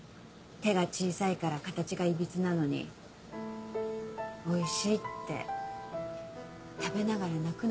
手が小さいから形がいびつなのに「おいしい」って食べながら泣くのよ